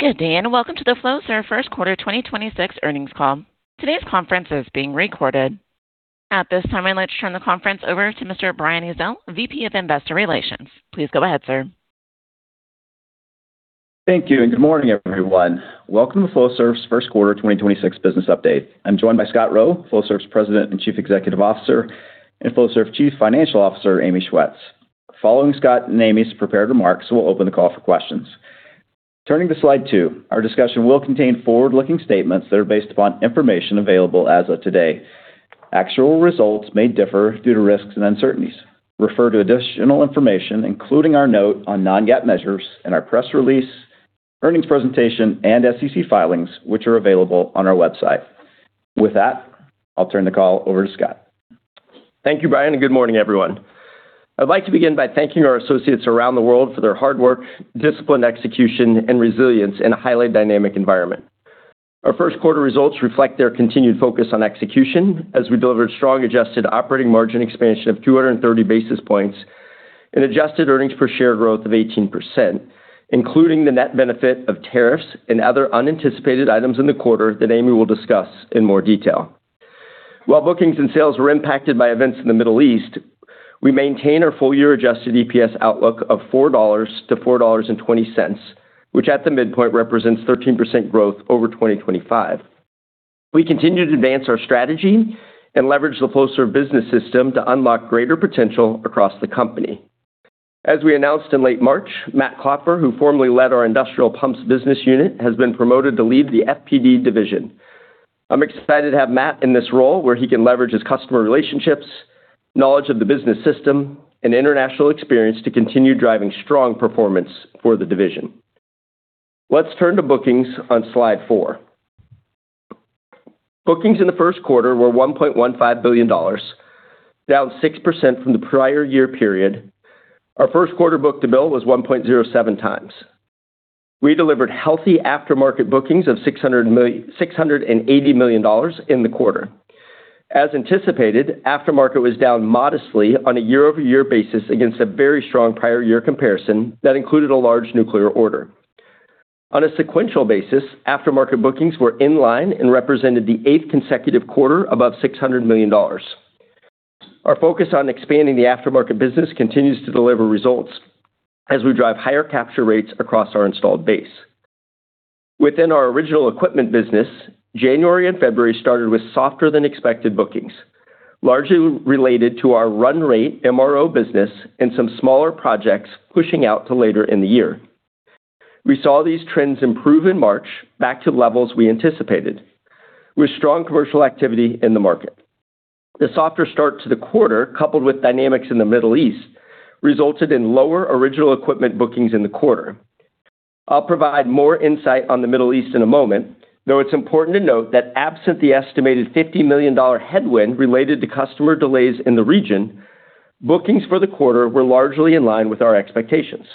Good day, and welcome to the Flowserve First Quarter 2026 earnings call. Today's conference is being recorded. At this time, I'd like to turn the conference over to Mr. Brian Ezzell, VP of Investor Relations. Please go ahead, sir. Thank you. Good morning, everyone. Welcome to Flowserve's first quarter 2026 business update. I'm joined by Scott Rowe, Flowserve's President and Chief Executive Officer, and Flowserve Chief Financial Officer, Amy Schwetz. Following Scott and Amy's prepared remarks, we'll open the call for questions. Turning to slide two, our discussion will contain forward-looking statements that are based upon information available as of today. Actual results may differ due to risks and uncertainties. Refer to additional information, including our note on non-GAAP measures and our press release, earnings presentation, and SEC filings, which are available on our website. With that, I'll turn the call over to Scott. Thank you, Brian, and good morning, everyone. I'd like to begin by thanking our associates around the world for their hard work, disciplined execution, and resilience in a highly dynamic environment. Our first quarter results reflect their continued focus on execution as we delivered strong adjusted operating margin expansion of 230 basis points and adjusted earnings per share growth of 18%, including the net benefit of tariffs and other unanticipated items in the quarter that Amy will discuss in more detail. While bookings and sales were impacted by events in the Middle East, we maintain our full-year adjusted EPS outlook of $4.00-$4.20, which at the midpoint represents 13% growth over 2025. We continue to advance our strategy and leverage the Flowserve Business System to unlock greater potential across the company. As we announced in late March, Matt Klopfer, who formerly led our industrial pumps business unit, has been promoted to lead the FPD division. I'm excited to have Matt in this role where he can leverage his customer relationships, knowledge of the business system, and international experience to continue driving strong performance for the division. Let's turn to bookings on slide four. Bookings in the first quarter were $1.15 billion, down 6% from the prior year period. Our first quarter book-to-bill was 1.07x. We delivered healthy aftermarket bookings of $680 million in the quarter. As anticipated, aftermarket was down modestly on a year-over-year basis against a very strong prior year comparison that included a large nuclear order. On a sequential basis, aftermarket bookings were in line and represented the eighth consecutive quarter above $600 million. Our focus on expanding the aftermarket business continues to deliver results as we drive higher capture rates across our installed base. Within our original equipment business, January and February started with softer than expected bookings, largely related to our run rate MRO business and some smaller projects pushing out to later in the year. We saw these trends improve in March back to levels we anticipated, with strong commercial activity in the market. The softer start to the quarter, coupled with dynamics in the Middle East, resulted in lower original equipment bookings in the quarter. I'll provide more insight on the Middle East in a moment. It's important to note that absent the estimated $50 million headwind related to customer delays in the region, bookings for the quarter were largely in line with our expectations.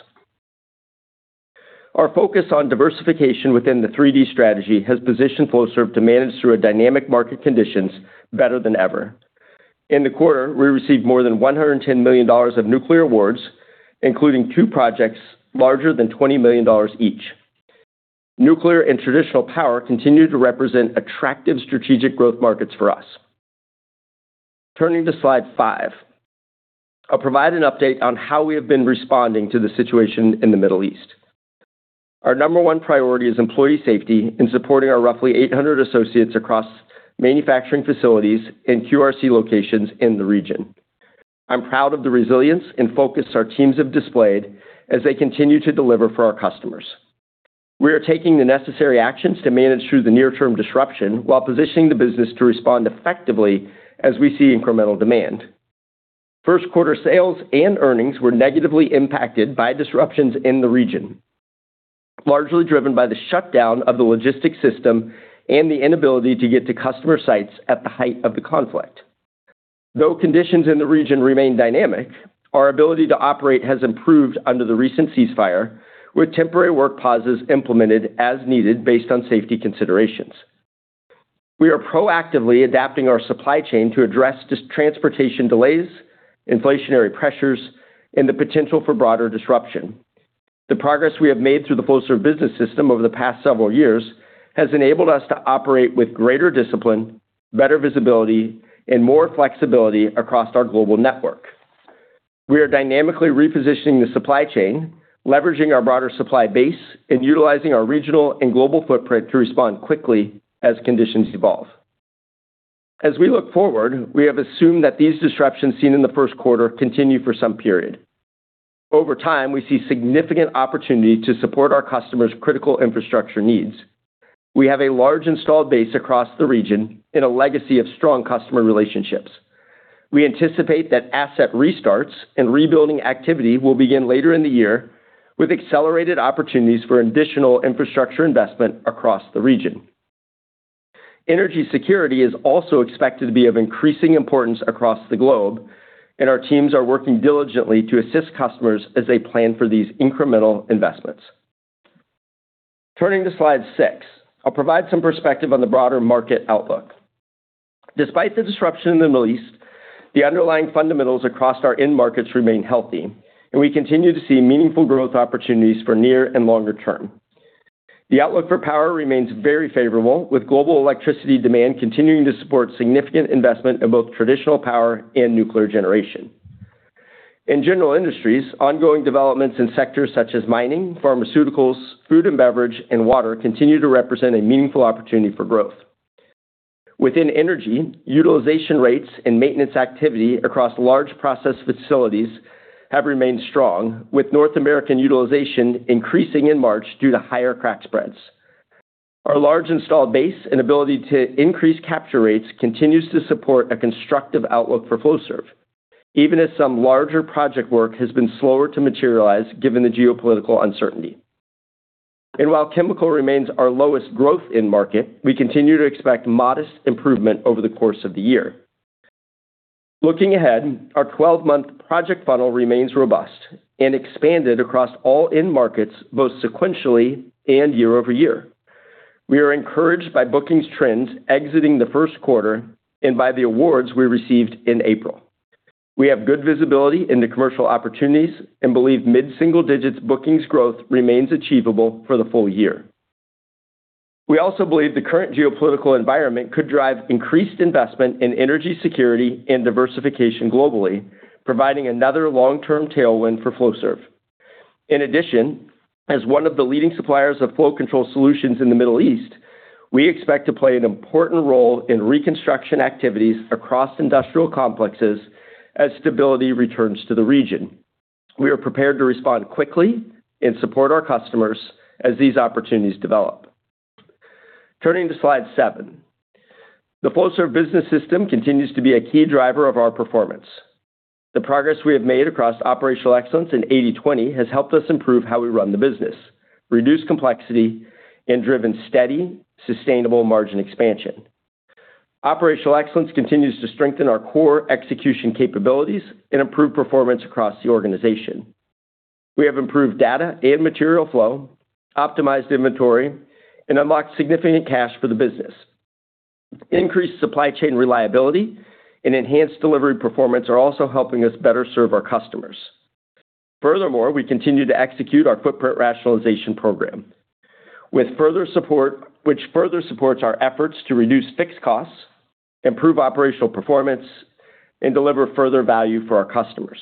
Our focus on diversification within the 3D strategy has positioned Flowserve to manage through a dynamic market conditions better than ever. In the quarter, we received more than $110 million of nuclear awards, including two projects larger than $20 million each. Nuclear and traditional power continue to represent attractive strategic growth markets for us. Turning to slide five, I'll provide an update on how we have been responding to the situation in the Middle East. Our number one priority is employee safety and supporting our roughly 800 associates across manufacturing facilities and QRC locations in the region. I'm proud of the resilience and focus our teams have displayed as they continue to deliver for our customers. We are taking the necessary actions to manage through the near term disruption while positioning the business to respond effectively as we see incremental demand. First quarter sales and earnings were negatively impacted by disruptions in the region, largely driven by the shutdown of the logistics system and the inability to get to customer sites at the height of the conflict. Though conditions in the region remain dynamic, our ability to operate has improved under the recent ceasefire, with temporary work pauses implemented as needed based on safety considerations. We are proactively adapting our supply chain to address transportation delays, inflationary pressures, and the potential for broader disruption. The progress we have made through the Flowserve Business System over the past several years has enabled us to operate with greater discipline, better visibility, and more flexibility across our global network. We are dynamically repositioning the supply chain, leveraging our broader supply base, and utilizing our regional and global footprint to respond quickly as conditions evolve. As we look forward, we have assumed that these disruptions seen in the first quarter continue for some period. Over time, we see significant opportunity to support our customers' critical infrastructure needs. We have a large installed base across the region and a legacy of strong customer relationships. We anticipate that asset restarts and rebuilding activity will begin later in the year, with accelerated opportunities for additional infrastructure investment across the region. Energy security is also expected to be of increasing importance across the globe, and our teams are working diligently to assist customers as they plan for these incremental investments. Turning to slide six, I'll provide some perspective on the broader market outlook. Despite the disruption in the Middle East, the underlying fundamentals across our end markets remain healthy, and we continue to see meaningful growth opportunities for near and longer term. The outlook for power remains very favorable, with global electricity demand continuing to support significant investment in both traditional power and nuclear generation. In general industries, ongoing developments in sectors such as mining, pharmaceuticals, food and beverage, and water continue to represent a meaningful opportunity for growth. Within energy, utilization rates and maintenance activity across large process facilities have remained strong, with North American utilization increasing in March due to higher crack spreads. Our large installed base and ability to increase capture rates continues to support a constructive outlook for Flowserve, even as some larger project work has been slower to materialize given the geopolitical uncertainty. While chemical remains our lowest growth end market, we continue to expect modest improvement over the course of the year. Looking ahead, our 12-month project funnel remains robust and expanded across all end markets, both sequentially and year-over-year. We are encouraged by bookings trends exiting the first quarter and by the awards we received in April. We have good visibility into commercial opportunities and believe mid-single digits bookings growth remains achievable for the full year. We also believe the current geopolitical environment could drive increased investment in energy security and diversification globally, providing another long-term tailwind for Flowserve. In addition, as one of the leading suppliers of flow control solutions in the Middle East, we expect to play an important role in reconstruction activities across industrial complexes as stability returns to the region. We are prepared to respond quickly and support our customers as these opportunities develop. Turning to slide seven. The Flowserve Business System continues to be a key driver of our performance. The progress we have made across operational excellence in 80/20 has helped us improve how we run the business, reduce complexity, and driven steady, sustainable margin expansion. Operational excellence continues to strengthen our core execution capabilities and improve performance across the organization. We have improved data and material flow, optimized inventory, and unlocked significant cash for the business. Increased supply chain reliability and enhanced delivery performance are also helping us better serve our customers. Furthermore, we continue to execute our footprint rationalization program, which further supports our efforts to reduce fixed costs, improve operational performance, and deliver further value for our customers.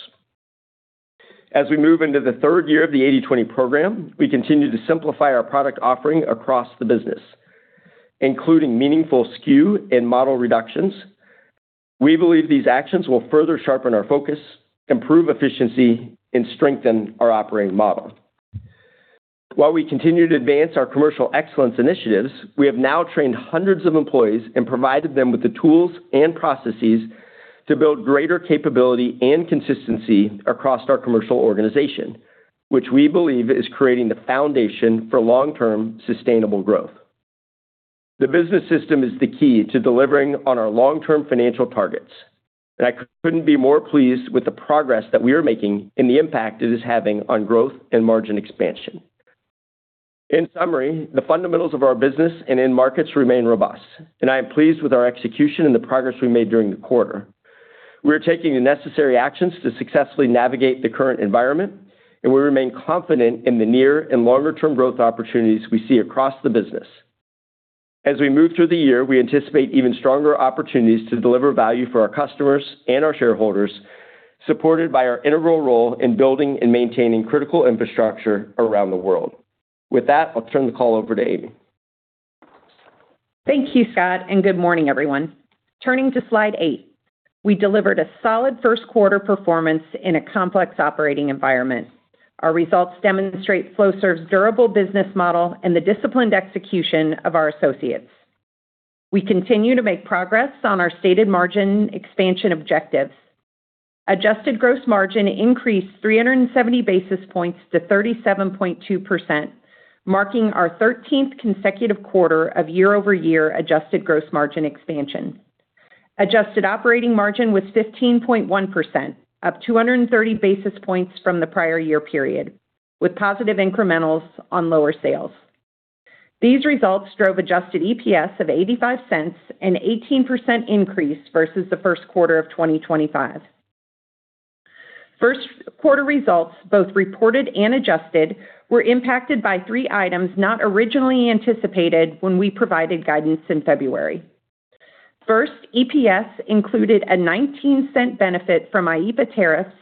As we move into the third year of the 80/20 program, we continue to simplify our product offering across the business, including meaningful SKU and model reductions. We believe these actions will further sharpen our focus, improve efficiency, and strengthen our operating model. While we continue to advance our commercial excellence initiatives, we have now trained hundreds of employees and provided them with the tools and processes to build greater capability and consistency across our commercial organization, which we believe is creating the foundation for long-term sustainable growth. The Business System is the key to delivering on our long-term financial targets, and I couldn't be more pleased with the progress that we are making and the impact it is having on growth and margin expansion. In summary, the fundamentals of our business and end markets remain robust, and I am pleased with our execution and the progress we made during the quarter. We are taking the necessary actions to successfully navigate the current environment, and we remain confident in the near and longer-term growth opportunities we see across the business. As we move through the year, we anticipate even stronger opportunities to deliver value for our customers and our shareholders, supported by our integral role in building and maintaining critical infrastructure around the world. With that, I'll turn the call over to Amy. Thank you, Scott, and good morning, everyone. Turning to slide eight. We delivered a solid first quarter performance in a complex operating environment. Our results demonstrate Flowserve's durable business model and the disciplined execution of our associates. We continue to make progress on our stated margin expansion objectives. Adjusted gross margin increased 370 basis points to 37.2%, marking our 13th consecutive quarter of year-over-year adjusted gross margin expansion. Adjusted operating margin was 15.1%, up 230 basis points from the prior year period, with positive incrementals on lower sales. These results drove adjusted EPS of $0.85, an 18% increase versus the first quarter of 2025. First quarter results, both reported and adjusted, were impacted by three items not originally anticipated when we provided guidance in February. First, EPS included a $0.19 benefit from IEEPA tariffs,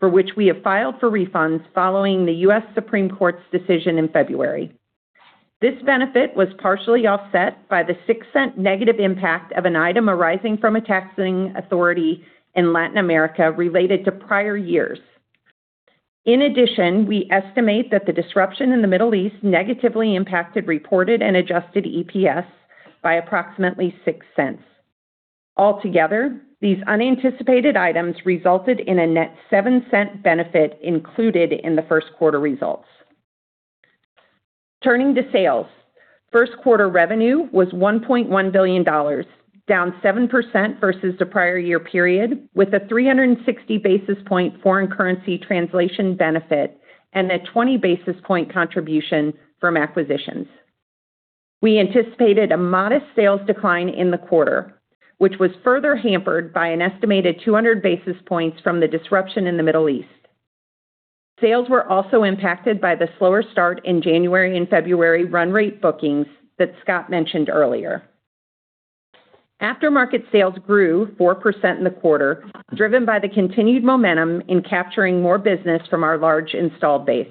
for which we have filed for refunds following the U.S. Supreme Court's decision in February. This benefit was partially offset by the $0.06 negative impact of an item arising from a taxing authority in Latin America related to prior years. In addition, we estimate that the disruption in the Middle East negatively impacted reported and adjusted EPS by approximately $0.06. Altogether, these unanticipated items resulted in a net $0.07 benefit included in the first quarter results. Turning to sales. First quarter revenue was $1.1 billion, down 7% versus the prior year period, with a 360 basis point foreign currency translation benefit and a 20 basis point contribution from acquisitions. We anticipated a modest sales decline in the quarter, which was further hampered by an estimated 200 basis points from the disruption in the Middle East. Sales were also impacted by the slower start in January and February run rate bookings that Scott mentioned earlier. Aftermarket sales grew 4% in the quarter, driven by the continued momentum in capturing more business from our large installed base.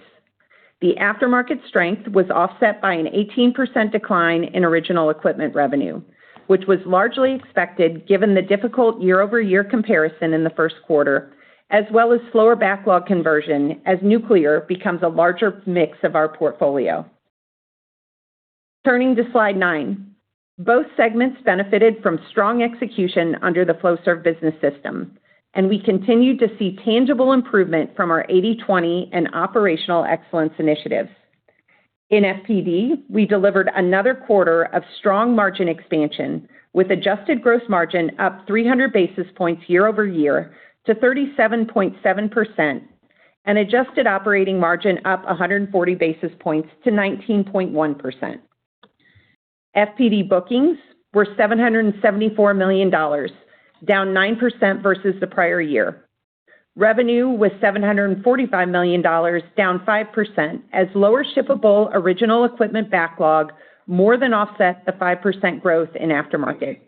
The aftermarket strength was offset by an 18% decline in original equipment revenue, which was largely expected given the difficult year-over-year comparison in the first quarter, as well as slower backlog conversion as nuclear becomes a larger mix of our portfolio. Turning to slide nine. Both segments benefited from strong execution under the Flowserve Business System, and we continued to see tangible improvement from our 80/20 and operational excellence initiatives. In FPD, we delivered another quarter of strong margin expansion, with adjusted gross margin up 300 basis points year-over-year to 37.7% and adjusted operating margin up 140 basis points to 19.1%. FPD bookings were $774 million, down 9% versus the prior year. Revenue was $745 million, down 5%, as lower shippable original equipment backlog more than offset the 5% growth in aftermarket.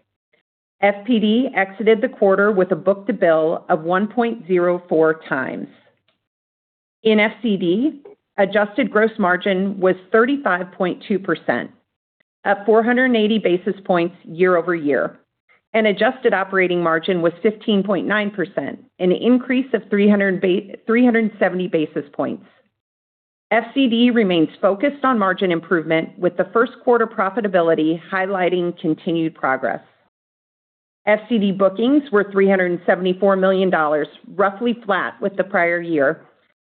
FPD exited the quarter with a book-to-bill of 1.04x. In FCD, adjusted gross margin was 35.2%, up 480 basis points year-over-year, and adjusted operating margin was 15.9%, an increase of 370 basis points. FCD remains focused on margin improvement, with the first quarter profitability highlighting continued progress. FCD bookings were $374 million, roughly flat with the prior year,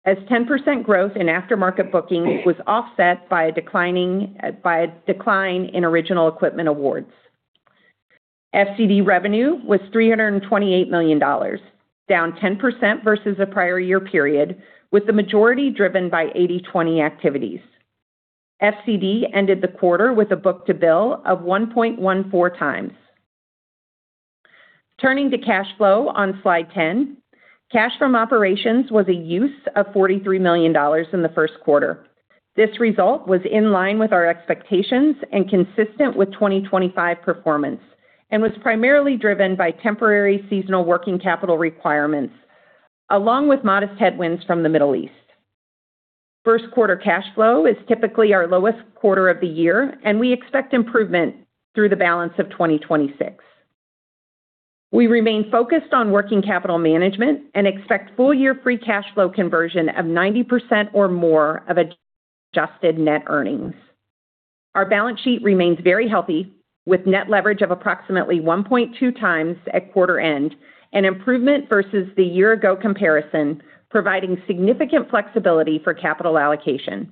as 10% growth in aftermarket booking was offset by a decline in original equipment awards. FCD revenue was $328 million, down 10% versus the prior year period, with the majority driven by 80/20 activities. FCD ended the quarter with a book-to-bill of 1.14x. Turning to cash flow on slide 10. Cash from operations was a use of $43 million in the first quarter. This result was in line with our expectations and consistent with 2025 performance and was primarily driven by temporary seasonal working capital requirements along with modest headwinds from the Middle East. First quarter cash flow is typically our lowest quarter of the year, and we expect improvement through the balance of 2026. We remain focused on working capital management and expect full-year free cash flow conversion of 90% or more of adjusted net earnings. Our balance sheet remains very healthy, with net leverage of approximately 1.2x at quarter end, an improvement versus the year ago comparison, providing significant flexibility for capital allocation.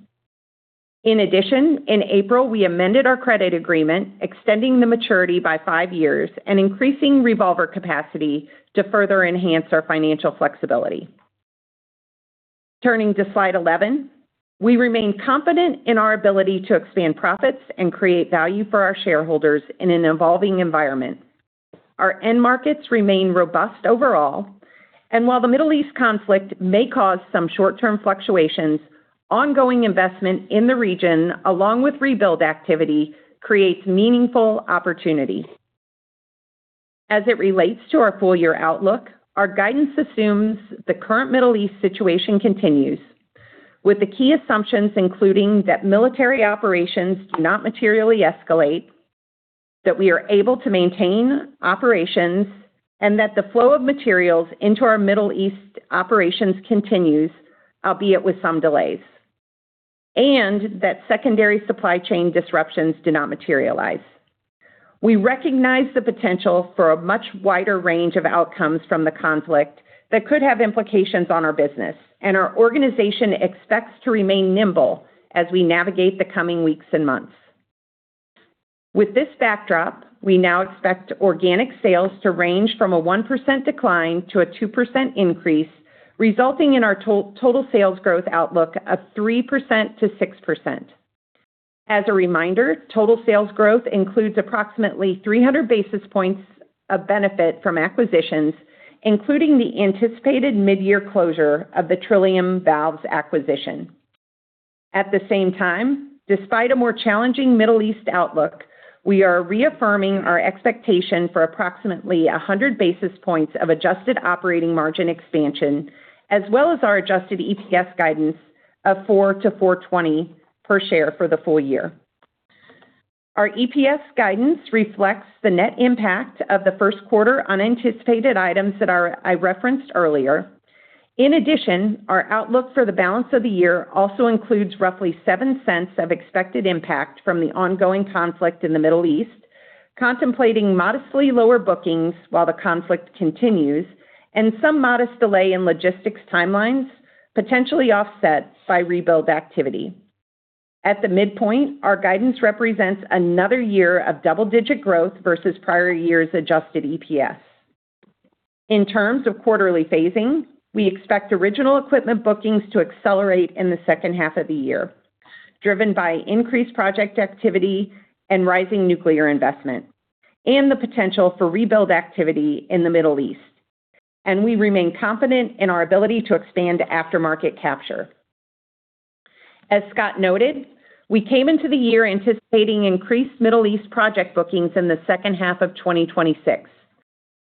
In addition, in April, we amended our credit agreement, extending the maturity by five years and increasing revolver capacity to further enhance our financial flexibility. Turning to slide 11. We remain confident in our ability to expand profits and create value for our shareholders in an evolving environment. Our end markets remain robust overall, and while the Middle East conflict may cause some short-term fluctuations, ongoing investment in the region, along with rebuild activity, creates meaningful opportunity. As it relates to our full-year outlook, our guidance assumes the current Middle East situation continues, with the key assumptions including that military operations do not materially escalate, that we are able to maintain operations, and that the flow of materials into our Middle East operations continues, albeit with some delays, and that secondary supply chain disruptions do not materialize. We recognize the potential for a much wider range of outcomes from the conflict that could have implications on our business, and our organization expects to remain nimble as we navigate the coming weeks and months. With this backdrop, we now expect organic sales to range from a 1% decline to a 2% increase, resulting in our total sales growth outlook of 3%-6%. As a reminder, total sales growth includes approximately 300 basis points of benefit from acquisitions, including the anticipated mid-year closure of the Trillium Valves acquisition. At the same time, despite a more challenging Middle East outlook, we are reaffirming our expectation for approximately 100 basis points of adjusted operating margin expansion, as well as our adjusted EPS guidance of $4-$4.20 per share for the full year. Our EPS guidance reflects the net impact of the first quarter unanticipated items that I referenced earlier. In addition, our outlook for the balance of the year also includes roughly $0.07 of expected impact from the ongoing conflict in the Middle East, contemplating modestly lower bookings while the conflict continues and some modest delay in logistics timelines, potentially offset by rebuild activity. At the midpoint, our guidance represents another year of double-digit growth versus prior year's adjusted EPS. In terms of quarterly phasing, we expect original equipment bookings to accelerate in the second half of the year, driven by increased project activity and rising nuclear investment, and the potential for rebuild activity in the Middle East. We remain confident in our ability to expand aftermarket capture. As Scott noted, we came into the year anticipating increased Middle East project bookings in the second half of 2026.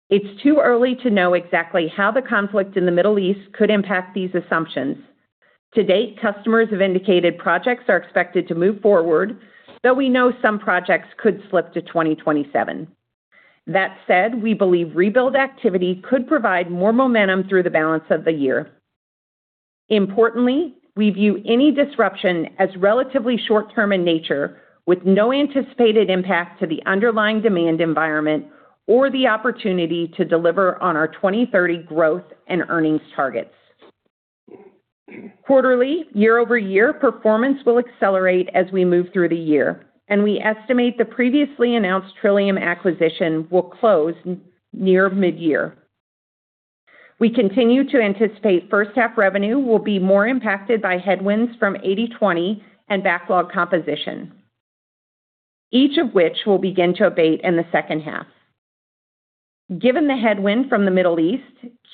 It's too early to know exactly how the conflict in the Middle East could impact these assumptions. To date, customers have indicated projects are expected to move forward, though we know some projects could slip to 2027. That said, we believe rebuild activity could provide more momentum through the balance of the year. Importantly, we view any disruption as relatively short-term in nature, with no anticipated impact to the underlying demand environment or the opportunity to deliver on our 2030 growth and earnings targets. Quarterly, year-over-year performance will accelerate as we move through the year, and we estimate the previously announced Trillium acquisition will close near mid-year. We continue to anticipate first half revenue will be more impacted by headwinds from 80/20 and backlog composition, each of which will begin to abate in the second half. Given the headwind from the Middle East,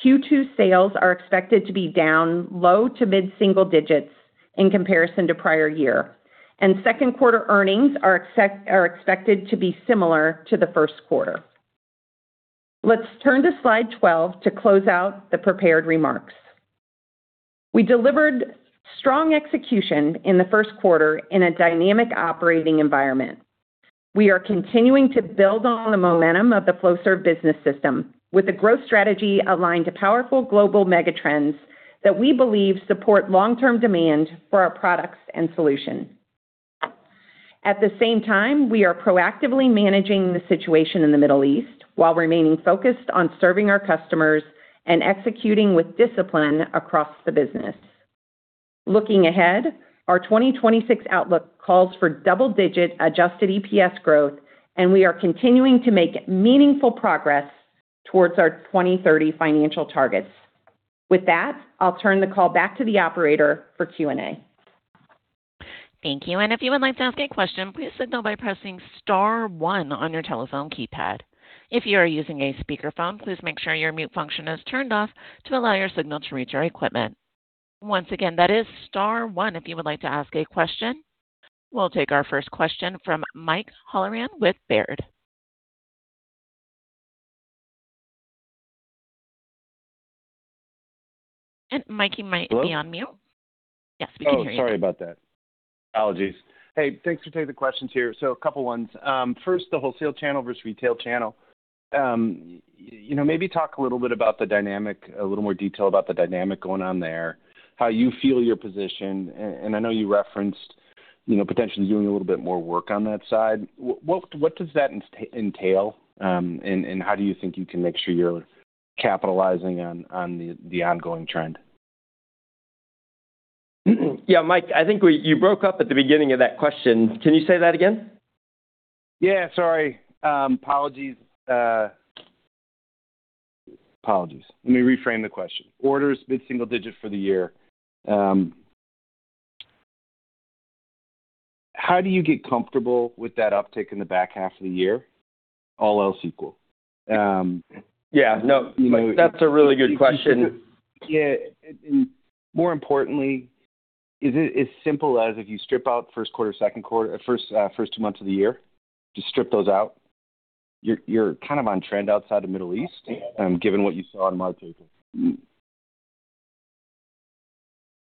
Q2 sales are expected to be down low to mid-single digits in comparison to prior year, and second quarter earnings are expected to be similar to the first quarter. Let's turn to slide 12 to close out the prepared remarks. We delivered strong execution in the first quarter in a dynamic operating environment. We are continuing to build on the momentum of the Flowserve Business System with a growth strategy aligned to powerful global mega trends that we believe support long-term demand for our products and solutions. At the same time, we are proactively managing the situation in the Middle East while remaining focused on serving our customers and executing with discipline across the business. Looking ahead, our 2026 outlook calls for double-digit adjusted EPS growth, and we are continuing to make meaningful progress towards our 2030 financial targets. With that, I'll turn the call back to the operator for Q&A. Thank you. If you would like to ask a question, please signal by pressing star one on your telephone keypad. If you are using a speakerphone, please make sure your mute function is turned off to allow your signal to reach our equipment. Once again, that is star one if you would like to ask a question. We'll take our first question from Mike Halloran with Baird. Mike, you might be on mute. Hello? Yes, we can hear you now. Oh, sorry about that. Apologies. Hey, thanks for taking the questions here. A couple ones. First, the wholesale channel versus retail channel. You know, maybe talk a little bit about the dynamic, a little more detail about the dynamic going on there, how you feel you're positioned. I know you referenced, you know, potentially doing a little bit more work on that side. What does that entail, and how do you think you can make sure you're capitalizing on the ongoing trend? Yeah, Mike, you broke up at the beginning of that question. Can you say that again? Yeah, sorry. Apologies. Let me reframe the question. Orders mid-single digit for the year. How do you get comfortable with that uptick in the back half of the year, all else equal? Yeah. No, Mike, that's a really good question. Yeah. More importantly, is it as simple as if you strip out first quarter, second quarter, first two months of the year, just strip those out, you're kind of on trend outside of Middle East, given what you saw in March, April?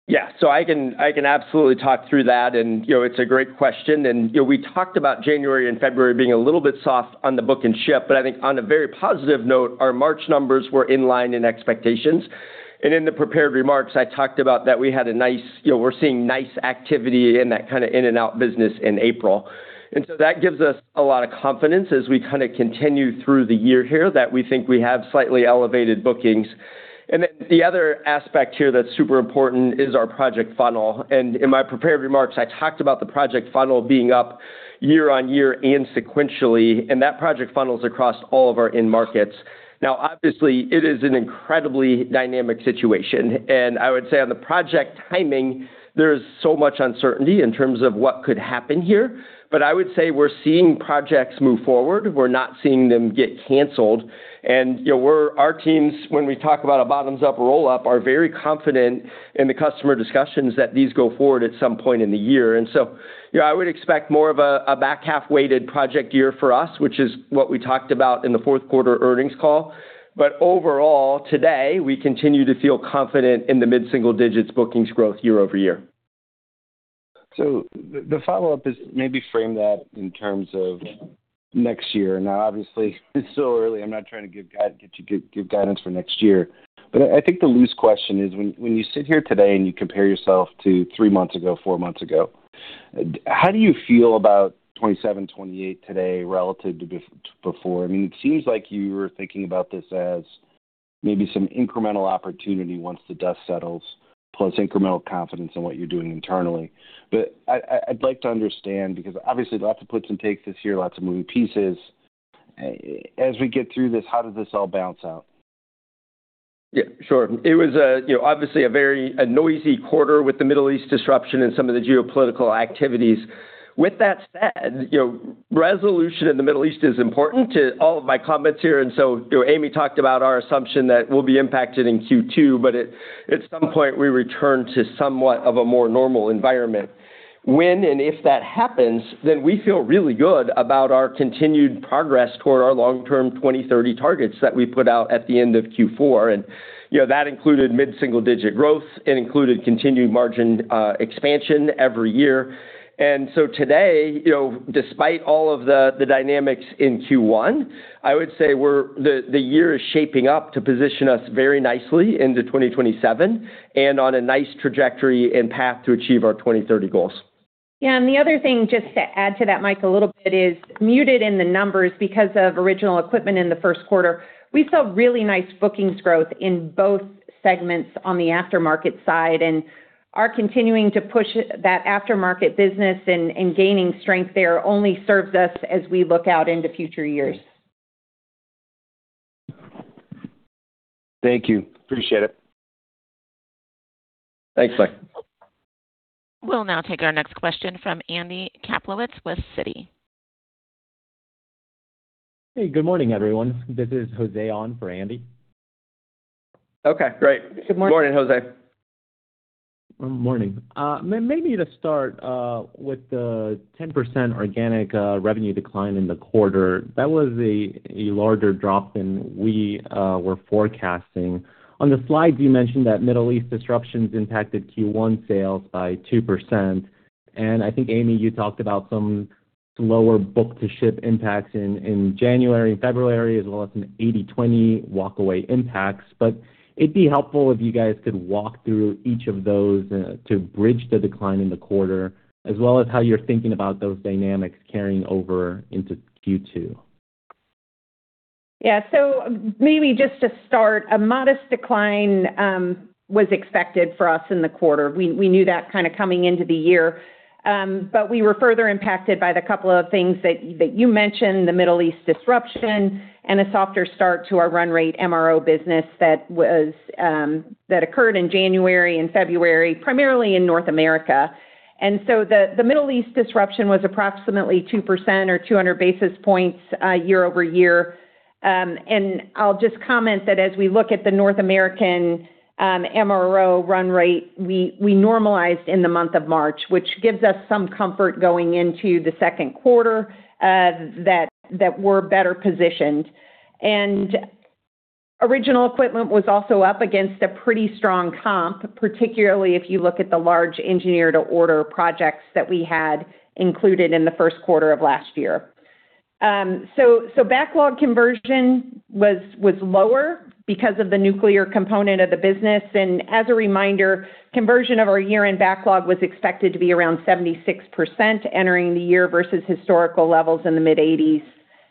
Yeah. I can absolutely talk through that. You know, it's a great question. You know, we talked about January and February being a little bit soft on the book and ship, I think on a very positive note, our March numbers were in line in expectations. In the prepared remarks, I talked about that, you know, we're seeing nice activity in that kinda in and out business in April. That gives us a lot of confidence as we kinda continue through the year here that we think we have slightly elevated bookings. The other aspect here that's super important is our project funnel. In my prepared remarks, I talked about the project funnel being up year-over-year and sequentially, that project funnel's across all of our end markets. Obviously, it is an incredibly dynamic situation, I would say on the project timing, there is so much uncertainty in terms of what could happen here. I would say we're seeing projects move forward. We're not seeing them get canceled. You know, our teams, when we talk about a bottoms up roll up, are very confident in the customer discussions that these go forward at some point in the year. You know, I would expect more of a back half weighted project year for us, which is what we talked about in the fourth quarter earnings call. Overall, today, we continue to feel confident in the mid-single digits bookings growth year-over-year. The follow-up is maybe frame that in terms of next year. Obviously, it's still early. I'm not trying to get you give guidance for next year. I think the loose question is when you sit here today and you compare yourself to three months ago, four months ago, how do you feel about 2027, 2028 today relative to before? I mean, it seems like you were thinking about this as maybe some incremental opportunity once the dust settles, plus incremental confidence in what you're doing internally. But I'd like to understand, because obviously lots of puts and takes this year, lots of moving pieces. As we get through this, how does this all balance out? Yeah, sure. It was a, you know, obviously a noisy quarter with the Middle East disruption and some of the geopolitical activities. With that said, you know, resolution in the Middle East is important to all of my comments here. You know, Amy talked about our assumption that we'll be impacted in Q2, but at some point we return to somewhat of a more normal environment. When and if that happens, we feel really good about our continued progress toward our long-term 2030 targets that we put out at the end of Q4. You know, that included mid-single-digit growth. It included continued margin expansion every year. Today, you know, despite all of the dynamics in Q1, I would say the year is shaping up to position us very nicely into 2027, and on a nice trajectory and path to achieve our 2030 goals. Yeah. The other thing, just to add to that, Mike, a little bit, is muted in the numbers because of original equipment in the first quarter. We saw really nice bookings growth in both segments on the aftermarket side, and are continuing to push that aftermarket business and gaining strength there only serves us as we look out into future years. Thank you. Appreciate it. Thanks, Mike. We'll now take our next question from Andrew Kaplowitz with Citigroup. Hey, good morning, everyone. This is José on for Andy. Okay, great. Good morning. Morning, José. Morning. Maybe to start, with the 10% organic revenue decline in the quarter, that was a larger drop than we were forecasting. On the slide, you mentioned that Middle East disruptions impacted Q1 sales by 2%, and I think Amy, you talked about some lower book-to-ship impacts in January and February, as well as some 80/20 walkaway impacts. It'd be helpful if you guys could walk through each of those to bridge the decline in the quarter, as well as how you're thinking about those dynamics carrying over into Q2. Maybe just to start, a modest decline was expected for us in the quarter. We knew that kinda coming into the year. But we were further impacted by the couple of things that you mentioned, the Middle East disruption and a softer start to our run rate MRO business that occurred in January and February, primarily in North America. The Middle East disruption was approximately 2% or 200 basis points year-over-year. And I'll just comment that as we look at the North American MRO run rate, we normalized in the month of March, which gives us some comfort going into the second quarter that we're better positioned. Original equipment was also up against a pretty strong comp, particularly if you look at the large engineer-to-order projects that we had included in the first quarter of last year. So backlog conversion was lower because of the nuclear component of the business. As a reminder, conversion of our year-end backlog was expected to be around 76% entering the year versus historical levels in the mid-80s,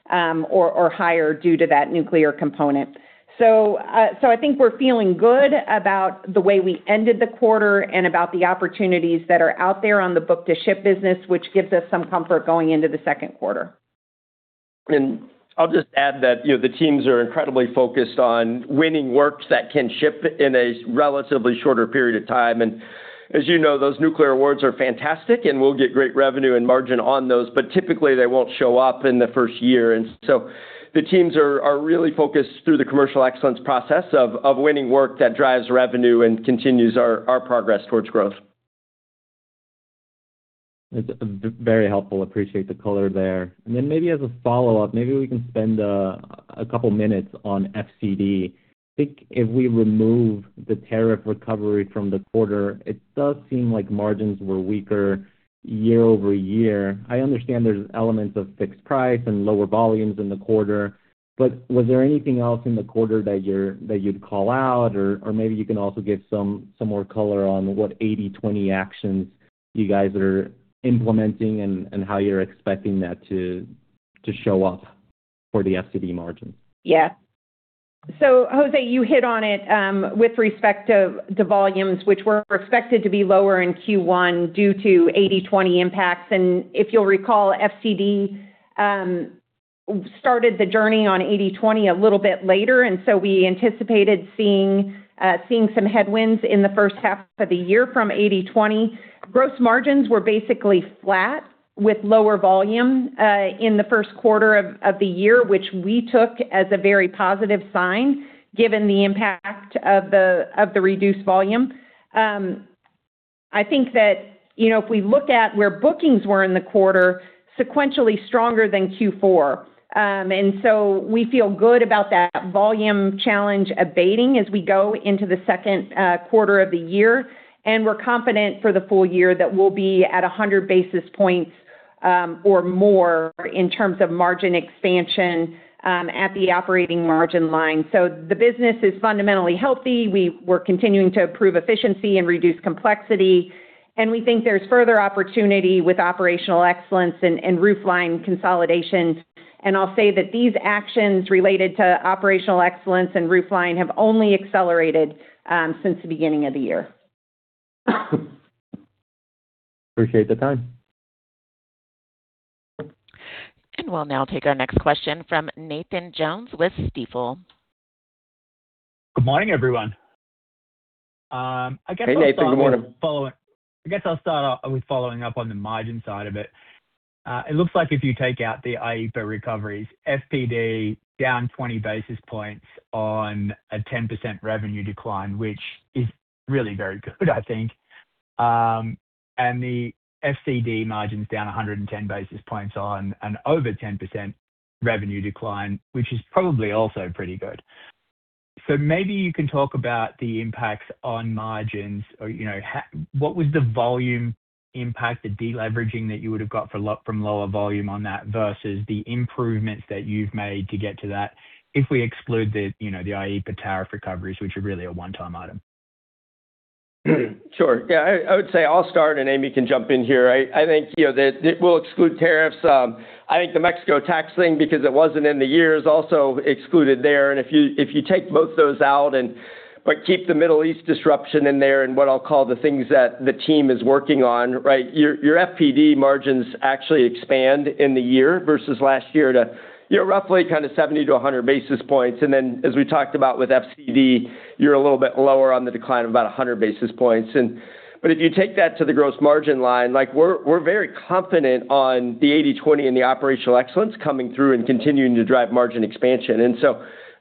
or higher due to that nuclear component. I think we're feeling good about the way we ended the quarter and about the opportunities that are out there on the book-to-ship business, which gives us some comfort going into the second quarter. I'll just add that, you know, the teams are incredibly focused on winning works that can ship in a relatively shorter period of time. As you know, those nuclear awards are fantastic, and we'll get great revenue and margin on those, but typically they won't show up in the first year. The teams are really focused through the commercial excellence process of winning work that drives revenue and continues our progress towards growth. It's very helpful. Appreciate the color there. Then maybe as a follow-up, maybe we can spend a couple minutes on FCD. I think, if we remove the tariff recovery from the quarter, it does seem like margins were weaker year-over-year. I understand there's elements of fixed price and lower volumes in the quarter, but was there anything else in the quarter that you'd call out? Maybe you can also give some more color on what 80/20 actions you guys are implementing and how you're expecting that to show up for the FCD margins. Yeah. José, you hit on it with respect to the volumes, which were expected to be lower in Q1 due to 80/20 impacts. If you'll recall, FCD started the journey on 80/20 a little bit later, so we anticipated seeing some headwinds in the first half of the year from 80/20. Gross margins were basically flat with lower volume in the first quarter of the year, which we took as a very positive sign, given the impact of the reduced volume. I think that, you know, if we look at where bookings were in the quarter, sequentially stronger than Q4. We feel good about that volume challenge abating as we go into the second quarter of the year. We're confident for the full year that we'll be at 100 basis points or more in terms of margin expansion at the operating margin line. The business is fundamentally healthy. We're continuing to improve efficiency and reduce complexity, and we think there's further opportunity with operational excellence and roofline consolidations. I'll say that these actions related to operational excellence and roofline have only accelerated since the beginning of the year. Appreciate the time. We'll now take our next question from Nathan Jones with Stifel. Good morning, everyone. Hey, Nathan. Good morning. I guess I'll start off with following up on the margin side of it. It looks like if you take out the IEEPA recoveries, FPD down 20 basis points on a 10% revenue decline, which is really very good, I think. The FCD margins down 110 basis points on an over 10% revenue decline, which is probably also pretty good. Maybe you can talk about the impacts on margins or, you know, what was the volume impact, the de-leveraging that you would have got from lower volume on that versus the improvements that you've made to get to that if we exclude the, you know, the IEEPA tariff recoveries, which are really a one-time item? Sure. Yeah, I would say I'll start, and Amy can jump in here. I think, you know, we'll exclude tariffs. I think the Mexico tax thing, because it wasn't in the year, is also excluded there. If you take both those out and, but keep the Middle East disruption in there and what I'll call the things that the team is working on, right? Your FPD margins actually expand in the year versus last year to, you know, roughly kind of 70 to 100 basis points. Then, as we talked about with FCD, you're a little bit lower on the decline of about 100 basis points. If you take that to the gross margin line, like we're very confident on the 80/20 and the operational excellence coming through and continuing to drive margin expansion.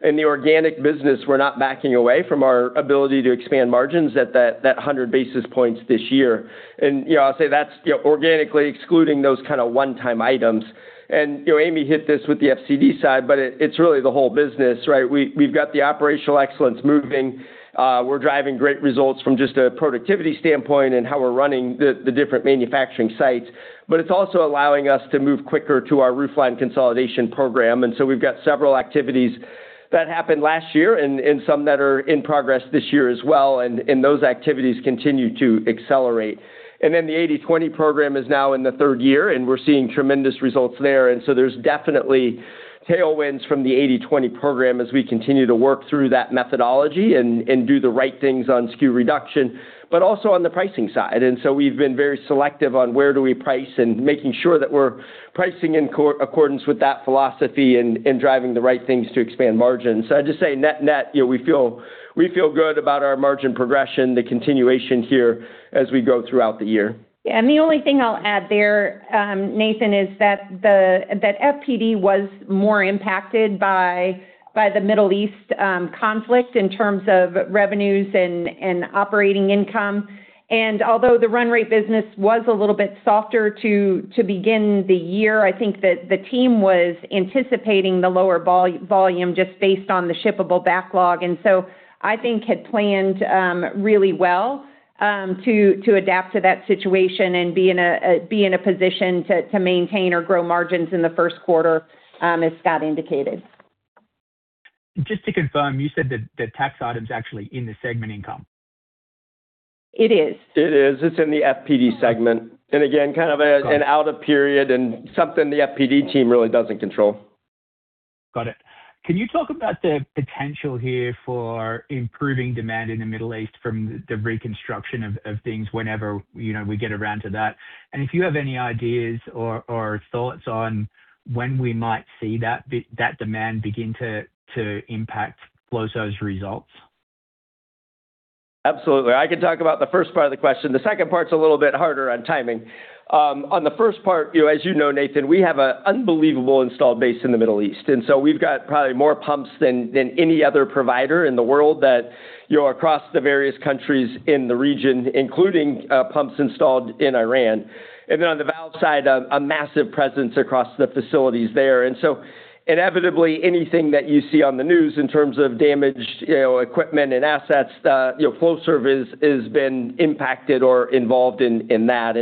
In the organic business, we're not backing away from our ability to expand margins at that 100 basis points this year. You know, I'll say that's, you know, organically excluding those kind of one-time items. You know, Amy hit this with the FCD side, but it's really the whole business, right? We've got the operational excellence moving. We're driving great results from just a productivity standpoint and how we're running the different manufacturing sites, but it's also allowing us to move quicker to our roofline consolidation program. We've got several activities that happened last year and some that are in progress this year as well. Those activities continue to accelerate. The 80/20 program is now in the third year, and we're seeing tremendous results there. There's definitely tailwinds from the 80/20 program as we continue to work through that methodology and do the right things on SKU reduction, but also on the pricing side. We've been very selective on where do we price and making sure that we're pricing in accordance with that philosophy and driving the right things to expand margins. I'd just say net-net, you know, we feel good about our margin progression, the continuation here as we go throughout the year. Yeah. The only thing I'll add there, Nathan, is that FPD was more impacted by the Middle East conflict in terms of revenues and operating income. Although the run rate business was a little bit softer to begin the year, I think that the team was anticipating the lower volume just based on the shippable backlog. I think had planned really well to adapt to that situation and be in a position to maintain or grow margins in the first quarter, as Scott indicated. Just to confirm, you said the tax item's actually in the segment income? It is. It is. It's in the FPD segment. Got it. an out of period and something the FPD team really doesn't control. Got it. Can you talk about the potential here for improving demand in the Middle East from the reconstruction of things whenever, you know, we get around to that? If you have any ideas or thoughts on when we might see that demand begin to impact Flowserve's results? Absolutely. I can talk about the first part of the question. The second part's a little bit harder on timing. On the first part, you know, as you know, Nathan, we have a unbelievable installed base in the Middle East, we've got probably more pumps than any other provider in the world that, you know, across the various countries in the region, including pumps installed in Iran. On the valve side, a massive presence across the facilities there. Inevitably, anything that you see on the news in terms of damaged, you know, equipment and assets, you know, Flowserve is been impacted or involved in that.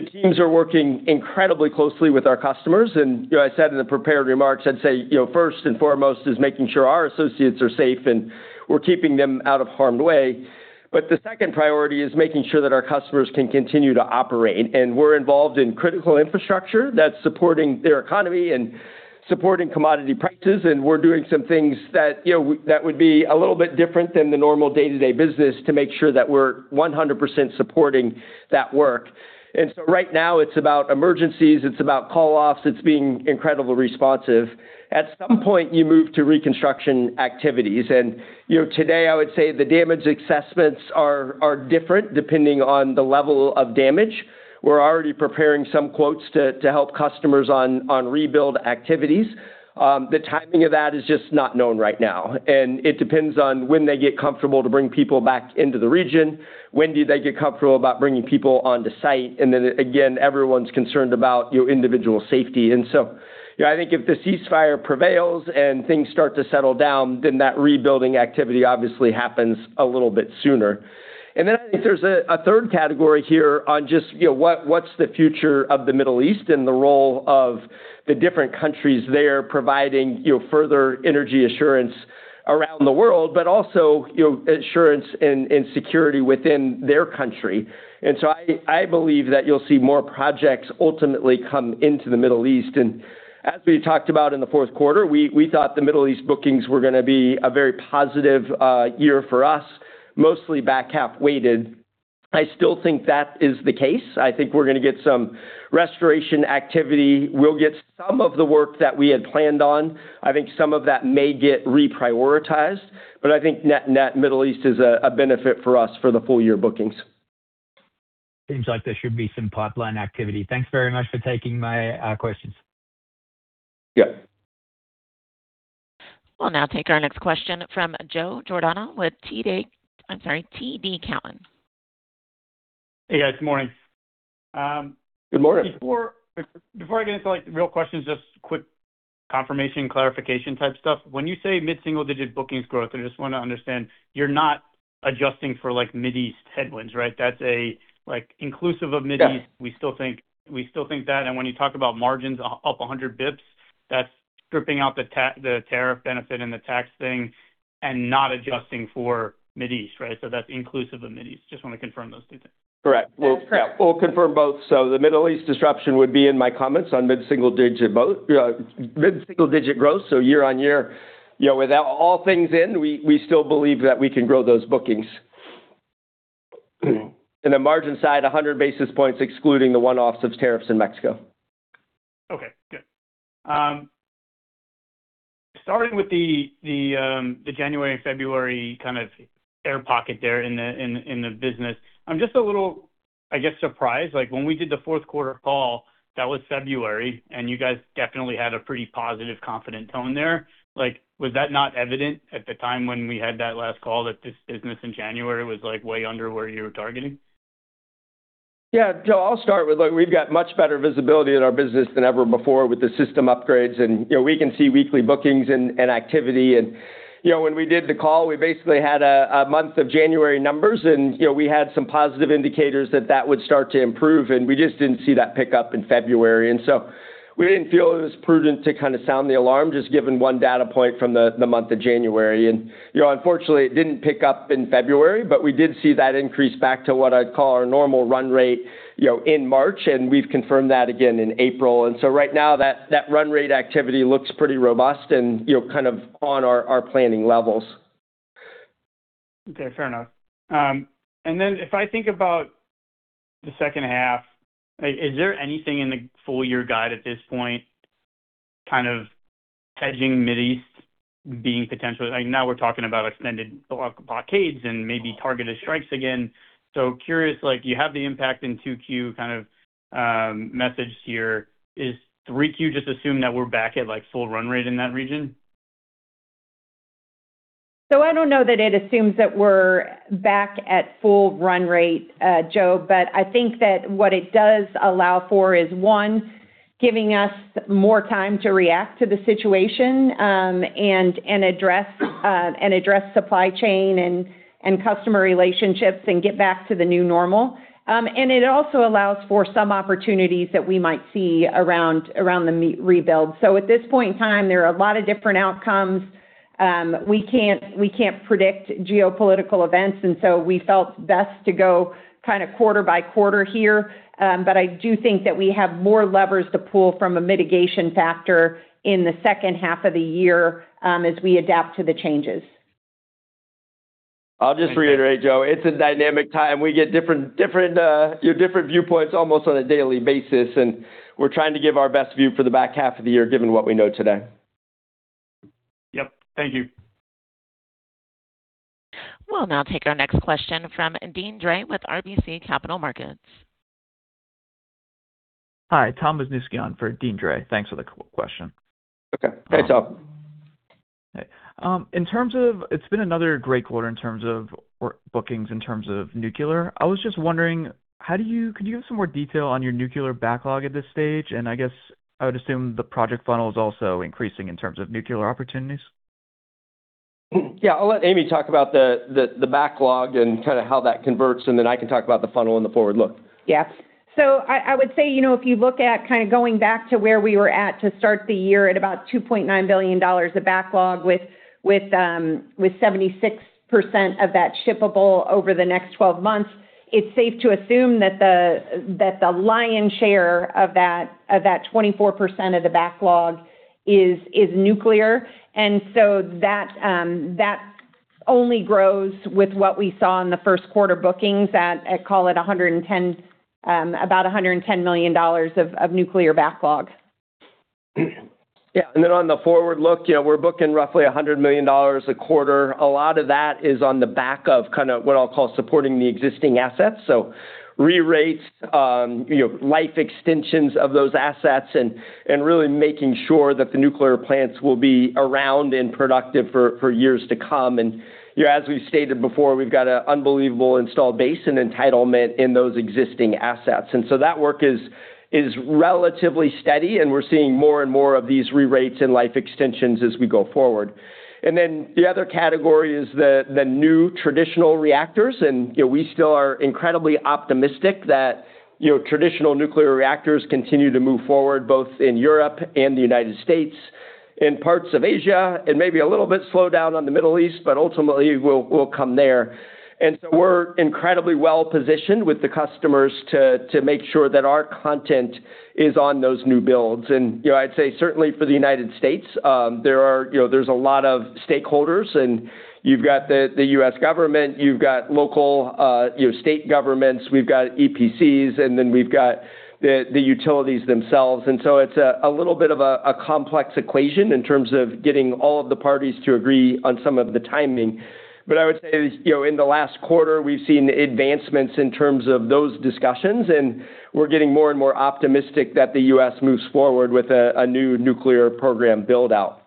The teams are working incredibly closely with our customers. You know, I said in the prepared remarks, I'd say, you know, first and foremost is making sure our associates are safe and we're keeping them out of harm's way. The second priority is making sure that our customers can continue to operate. We're involved in critical infrastructure that's supporting their economy and supporting commodity prices. We're doing some things that, you know, that would be a little bit different than the normal day-to-day business to make sure that we're 100% supporting that work. Right now it's about emergencies, it's about call-offs, it's being incredibly responsive. At some point, you move to reconstruction activities. You know, today I would say the damage assessments are different depending on the level of damage. We're already preparing some quotes to help customers on rebuild activities. The timing of that is just not known right now. It depends on when they get comfortable to bring people back into the region. When do they get comfortable about bringing people onto site? Then again, everyone's concerned about, you know, individual safety. I think if the ceasefire prevails and things start to settle down, then that rebuilding activity obviously happens a little bit sooner. Then I think there's a third category here on just, you know, what's the future of the Middle East and the role of the different countries there providing, you know, further energy assurance around the world, but also, you know, assurance and security within their country. I believe that you'll see more projects ultimately come into the Middle East. As we talked about in the fourth quarter, we thought the Middle East bookings were going to be a very positive year for us. Mostly back half weighted. I still think that is the case. I think we're going to get some restoration activity. We'll get some of the work that we had planned on. I think some of that may get reprioritized, but I think net-net, Middle East is a benefit for us for the full-year bookings. Seems like there should be some pipeline activity. Thanks very much for taking my questions. Yeah. We'll now take our next question from Joseph Giordano with TD Cowen. I'm sorry, TD Cowen. Hey, guys. Morning. Good morning. Before I get into, like, the real questions, just quick confirmation, clarification type stuff. When you say mid-single digit bookings growth, I just wanna understand, you're not adjusting for, like, Mid East headwinds, right? That's a, like, inclusive of Mid East? Yeah. We still think that. When you talk about margins up 100 basis points, that's stripping out the tariff benefit and the tax thing and not adjusting for Mid East, right? That's inclusive of Mid East. Just wanna confirm those two things. Correct. That's correct. We'll confirm both. The Middle East disruption would be in my comments on mid-single digit growth. Year-on-year, you know, without all things in, we still believe that we can grow those bookings. The margin side, 100 basis points excluding the one-offs of tariffs in Mexico. Okay. Good. Starting with the January and February kind of air pocket there in the business. I'm just a little, I guess, surprised. Like, when we did the fourth quarter call, that was February, and you guys definitely had a pretty positive, confident tone there. Like, was that not evident at the time when we had that last call that this business in January was, like, way under where you were targeting? Yeah. Joe, I'll start with, look, we've got much better visibility in our business than ever before with the system upgrades, and, you know, we can see weekly bookings and activity. You know, when we did the call, we basically had a month of January numbers and, you know, we had some positive indicators that that would start to improve, and we just didn't see that pick up in February. We didn't feel it was prudent to kind of sound the alarm, just given 1 data point from the month of January. You know, unfortunately, it didn't pick up in February, but we did see that increase back to what I'd call our normal run rate, you know, in March, and we've confirmed that again in April. Right now, that run rate activity looks pretty robust and, you know, kind of on our planning levels. Okay. Fair enough. If I think about the second half, like, is there anything in the full year guide at this point kind of hedging Mid East being, like, now we're talking about extended blockades and maybe targeted strikes again. Curious, like, you have the impact in 2Q kind of, message here. Is 3Q just assume that we're back at, like, full run rate in that region? I don't know that it assumes that we're back at full run rate, Joe. I think that what it does allow for is, one, giving us more time to react to the situation, and address supply chain and customer relationships and get back to the new normal. And it also allows for some opportunities that we might see around the Mexico rebuild. At this point in time, there are a lot of different outcomes. We can't predict geopolitical events we felt best to go kind of quarter by quarter here. I do think that we have more levers to pull from a mitigation factor in the second half of the year, as we adapt to the changes. I'll just reiterate, Joe, it's a dynamic time. We get different, you know, different viewpoints almost on a daily basis, and we're trying to give our best view for the back half of the year, given what we know today. Yep. Thank you. We'll now take our next question from Deane Dray with RBC Capital Markets. Hi, Tom Wisniewski on for Deane Dray. Thanks for the question. Okay. Hey, Tom. Hey. It's been another great quarter in terms of work bookings, in terms of nuclear. I was just wondering, Could you give some more detail on your nuclear backlog at this stage? I guess I would assume the project funnel is also increasing in terms of nuclear opportunities. Yeah. I'll let Amy talk about the, the backlog and kinda how that converts, and then I can talk about the funnel and the forward look. Yeah. I would say, you know, if you look at kinda going back to where we were at to start the year at about $2.9 billion of backlog with 76% of that shippable over the next 12 months, it's safe to assume that the lion share of that 24% of the backlog is nuclear. That only grows with what we saw in the first quarter bookings at, I call it $110 million, about $110 million of nuclear backlog. On the forward look, you know, we're booking roughly $100 million a quarter. A lot of that is on the back of kinda what I'll call supporting the existing assets. So rerates, you know, life extensions of those assets and really making sure that the nuclear plants will be around and productive for years to come. You know, as we've stated before, we've got an unbelievable installed base and entitlement in those existing assets. That work is relatively steady, and we're seeing more and more of these rerates and life extensions as we go forward. The other category is the new traditional reactors. You know, we still are incredibly optimistic that, you know, traditional nuclear reactors continue to move forward, both in Europe and the United States and parts of Asia, and maybe a little bit slowed down on the Middle East, but ultimately we'll come there. We're incredibly well-positioned with the customers to make sure that our content is on those new builds. You know, I'd say certainly for the United States. You know, there's a lot of stakeholders, and you've got the U.S. government, you've got local, you know, state governments, we've got EPCs, and then we've got the utilities themselves. It's a little bit of a complex equation in terms of getting all of the parties to agree on some of the timing. I would say, you know, in the last quarter, we've seen advancements in terms of those discussions, and we're getting more and more optimistic that the U.S. moves forward with a new nuclear program build-out.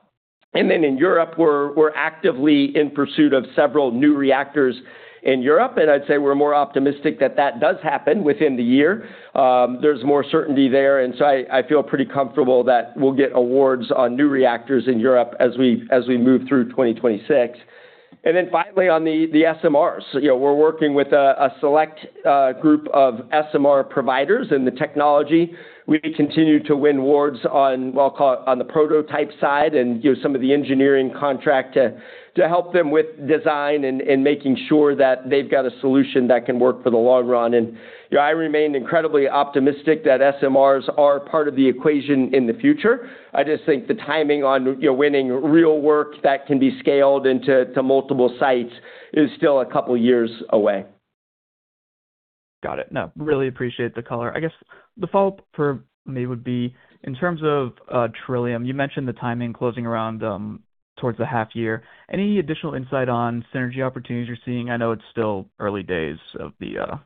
In Europe, we're actively in pursuit of several new reactors in Europe. I'd say we're more optimistic that that does happen within the year. There's more certainty there, I feel pretty comfortable that we'll get awards on new reactors in Europe as we move through 2026. Finally, on the SMRs. You know, we're working with a select group of SMR providers and the technology. We continue to win awards on, well, call it on the prototype side and, you know, some of the engineering contract to help them with design and making sure that they've got a solution that can work for the long run. You know, I remain incredibly optimistic that SMRs are part of the equation in the future. I just think the timing on, you know, winning real work that can be scaled into multiple sites is still a couple years away. Got it. No, really appreciate the color. I guess the follow-up for me would be, in terms of, Trillium, you mentioned the timing closing around towards the half year. Any additional insight on synergy opportunities you're seeing? I know it's still early days of the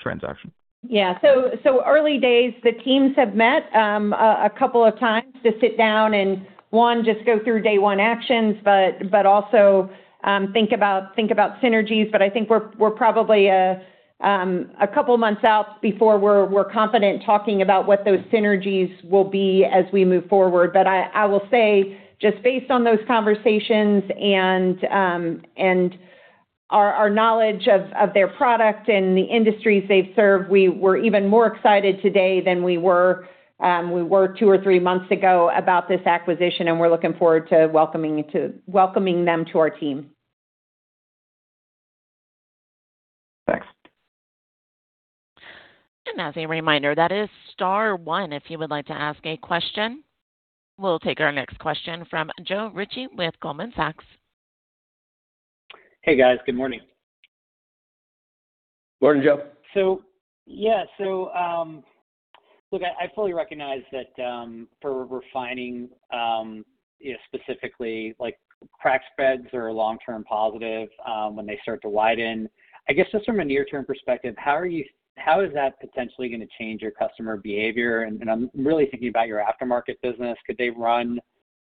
transaction. Yeah. Early days, the teams have met a couple of times to sit down and, one, just go through day one actions, also, think about synergies. I think we're probably a couple months out before we're confident talking about what those synergies will be as we move forward. I will say, just based on those conversations and our knowledge of their product and the industries they've served, we're even more excited today than we were two or three months ago about this acquisition, and we're looking forward to welcoming them to our team. Thanks. As a reminder, that is star one if you would like to ask a question. We'll take our next question from Joe Ritchie with Goldman Sachs. Hey, guys. Good morning. Morning, Joe. Yeah. Look, I fully recognize that for refining, you know, specifically, like, crack spreads are a long-term positive when they start to widen. I guess just from a near-term perspective, how is that potentially going to change your customer behavior? I'm really thinking about your aftermarket business. Could they run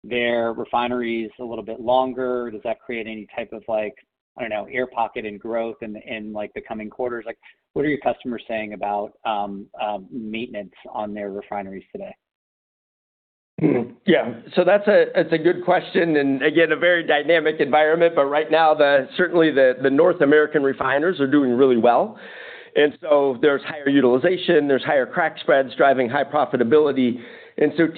their refineries a little bit longer? Does that create any type of, like, I don't know, air pocket in growth in, like, the coming quarters? What are your customers saying about maintenance on their refineries today? Yeah. That's a good question, and again, a very dynamic environment. Right now, the North American refiners are doing really well. There's higher utilization, there's higher crack spreads driving high profitability.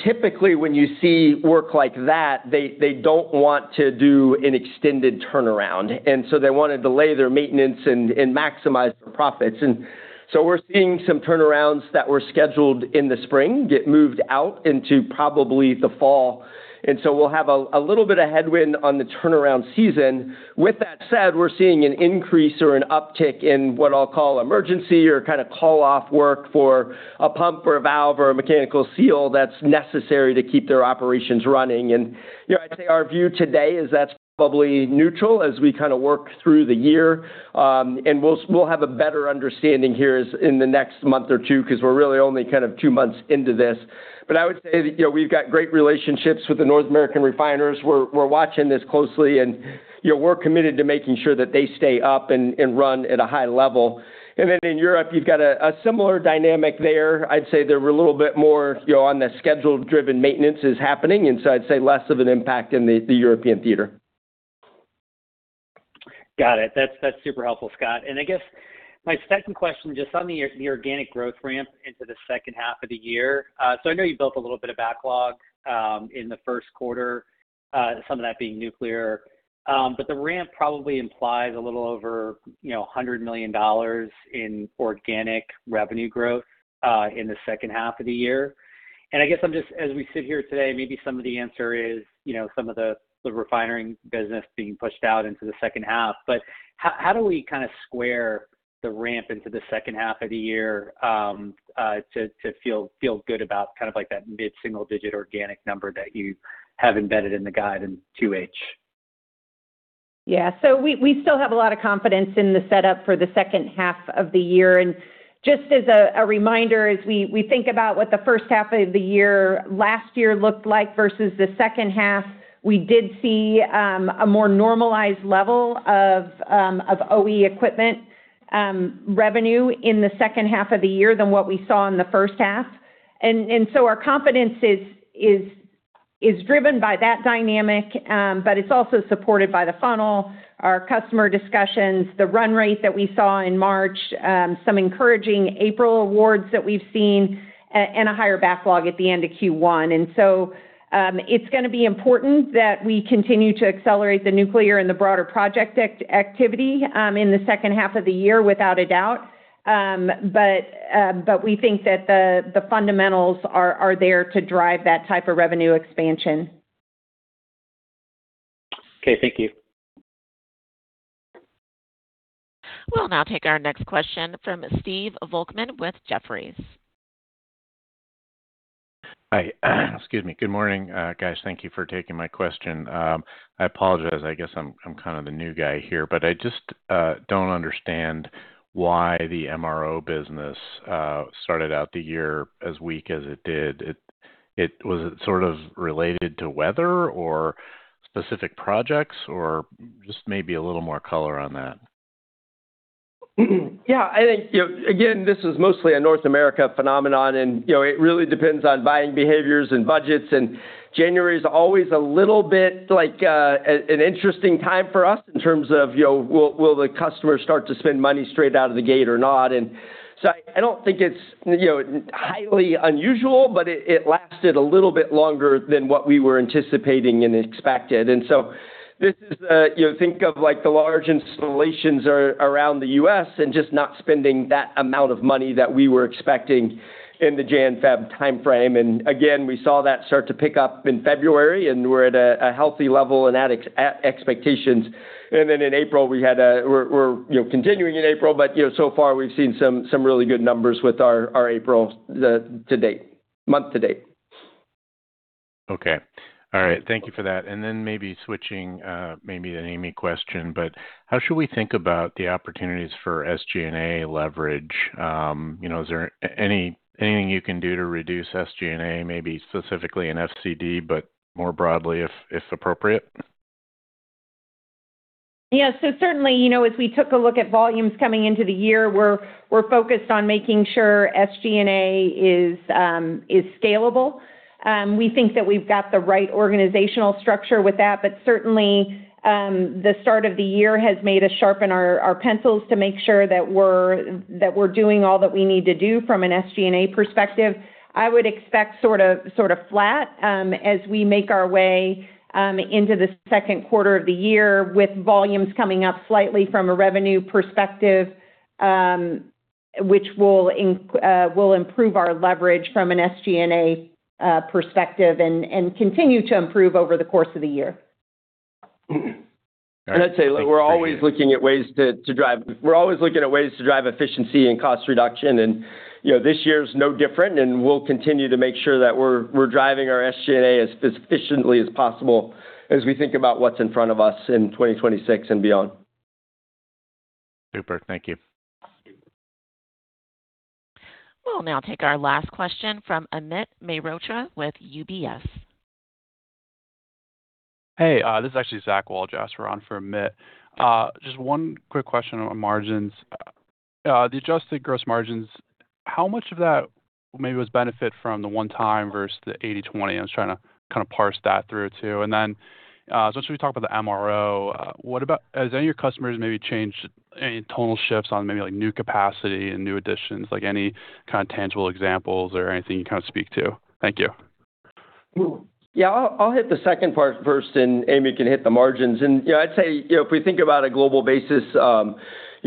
Typically, when you see work like that, they don't want to do an extended turnaround. They wanna delay their maintenance and maximize their profits. We're seeing some turnarounds that were scheduled in the spring get moved out into probably the fall. We'll have a little bit of headwind on the turnaround season. With that said, we're seeing an increase or an uptick in what I'll call emergency or kinda call-off work for a pump or a valve or a mechanical seal that's necessary to keep their operations running. You know, I'd say our view today is that's probably neutral as we kind of work through the year. We'll, we'll have a better understanding here as in the next month or two 'cause we're really only kind of two months into this. I would say that, you know, we've got great relationships with the North American refiners. We're, we're watching this closely and, you know, we're committed to making sure that they stay up and run at a high level. In Europe, you've got a similar dynamic there. I'd say they're a little bit more, you know, on the schedule-driven maintenance is happening, I'd say less of an impact in the European theater. Got it. That's super helpful, Scott. I guess my second question, just on the organic growth ramp into the second half of the year. I know you built a little bit of backlog in the first quarter, some of that being nuclear. The ramp probably implies a little over, you know, $100 million in organic revenue growth in the second half of the year. I guess I'm just, as we sit here today, maybe some of the answer is, you know, some of the refinery business being pushed out into the second half. How do we kinda square the ramp into the second half of the year, to feel good about kind of like that mid-single-digit organic number that you have embedded in the guide in 2H? Yeah. We still have a lot of confidence in the setup for the second half of the year. Just as a reminder, as we think about what the first half of the year last year looked like versus the second half, we did see a more normalized level of OE equipment revenue in the second half of the year than what we saw in the first half. Our confidence is driven by that dynamic, but it's also supported by the funnel, our customer discussions, the run rate that we saw in March, some encouraging April awards that we've seen, and a higher backlog at the end of Q1. It's gonna be important that we continue to accelerate the nuclear and the broader project activity in the second half of the year without a doubt. We think that the fundamentals are there to drive that type of revenue expansion. Okay, thank you. We'll now take our next question from Stephen Volkmann with Jefferies. Hi. Excuse me. Good morning, guys. Thank you for taking my question. I apologize, I guess I'm kinda the new guy here, but I just don't understand why the MRO business started out the year as weak as it did. Was it sort of related to weather or specific projects or just maybe a little more color on that? Yeah, I think, you know, again, this is mostly a North America phenomenon. You know, it really depends on buying behaviors and budgets. January's always a little bit like an interesting time for us in terms of, you know, will the customers start to spend money straight out of the gate or not? I don't think it's, you know, highly unusual, but it lasted a little bit longer than what we were anticipating and expected. This is a, you know, think of like the large installations around the U.S. and just not spending that amount of money that we were expecting in the Jan, Feb timeframe. Again, we saw that start to pick up in February, and we're at a healthy level and at expectations. Then in April, we had a, we're, you know, continuing in April, but, you know, so far we've seen some really good numbers with our April to date, month to date. Okay. All right, thank you for that. Maybe switching, maybe an Amy question, but how should we think about the opportunities for SG&A leverage? You know, is there anything you can do to reduce SG&A, maybe specifically in FCD, but more broadly if appropriate? Certainly, you know, as we took a look at volumes coming into the year, we're focused on making sure SG&A is scalable. We think that we've got the right organizational structure with that, certainly, the start of the year has made us sharpen our pencils to make sure that we're doing all that we need to do from an SG&A perspective. I would expect sort of flat as we make our way into the second quarter of the year with volumes coming up slightly from a revenue perspective, which will improve our leverage from an SG&A perspective and continue to improve over the course of the year. All right. Thank you. I'd say, look, we're always looking at ways to drive efficiency and cost reduction. You know, this year is no different. We'll continue to make sure that we're driving our SG&A as efficiently as possible as we think about what's in front of us in 2026 and beyond. Super. Thank you. We'll now take our last question from Amit Mehrotra with UBS. Hey, this is actually Zach Walljasper on for Amit. Just one quick question on margins. The adjusted gross margins, how much of that maybe was benefit from the one-time versus the 80/20? I was trying to kind of parse that through too. Since we talked about the MRO, has any of your customers maybe changed any total shifts on maybe like new capacity and new additions? Like any kind of tangible examples or anything you can kind of speak to? Thank you. I'll hit the second part first, and Amy can hit the margins. I'd say, you know, if we think about a global basis, you know,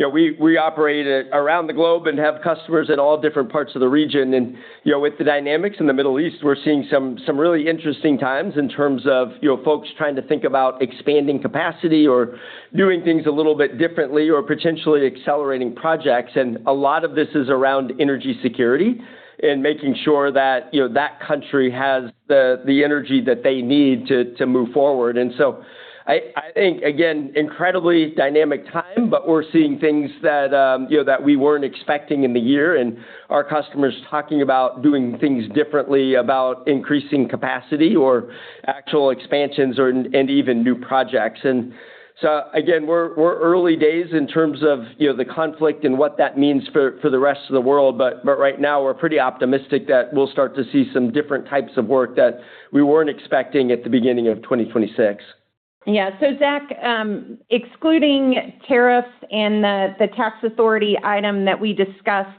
we operate at around the globe and have customers in all different parts of the region. You know, with the dynamics in the Middle East, we're seeing some really interesting times in terms of, you know, folks trying to think about expanding capacity or doing things a little bit differently or potentially accelerating projects. A lot of this is around energy security and making sure that, you know, that country has the energy that they need to move forward. I think, again, incredibly dynamic time, but we're seeing things that, you know, that we weren't expecting in the year and our customers talking about doing things differently about increasing capacity or actual expansions or, and even new projects. Again, we're early days in terms of, you know, the conflict and what that means for the rest of the world. Right now, we're pretty optimistic that we'll start to see some different types of work that we weren't expecting at the beginning of 2026. Yeah. Zach, excluding tariffs and the tax authority item that we discussed,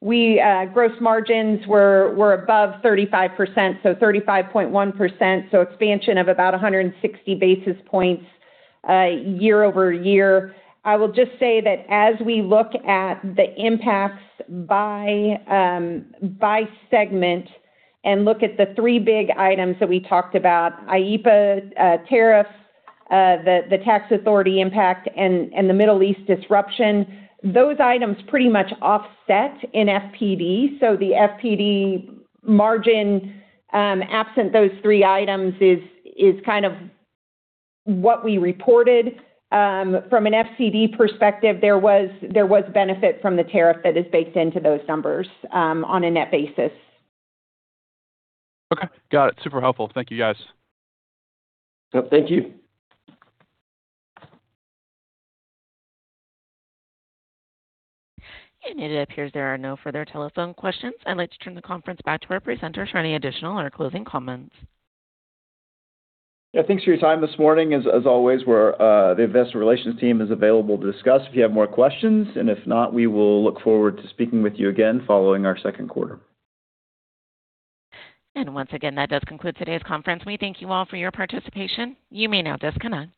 we gross margins were above 35%, so 35.1%, so expansion of about 160 basis points year-over-year. I will just say that as we look at the impacts by segment and look at the three big items that we talked about, IEEPA, tariffs, the tax authority impact and the Middle East disruption, those items pretty much offset in FPD. The FPD margin, absent those three items is kind of what we reported. From an FCD perspective, there was benefit from the tariff that is baked into those numbers on a net basis. Okay. Got it. Super helpful. Thank you, guys. Yep, thank you. It appears there are no further telephone questions. I'd like to turn the conference back to our presenters for any additional or closing comments. Yeah, thanks for your time this morning. As always, we're the investor relations team is available to discuss if you have more questions. If not, we will look forward to speaking with you again following our second quarter. Once again, that does conclude today's conference. We thank you all for your participation. You may now disconnect.